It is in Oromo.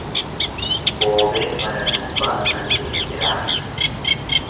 Boobeen mana duubaa kan simbiraati.